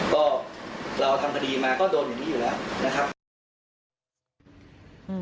ก็เราทำคดีมาก็โดนอย่างนี้อยู่แล้วนะครับ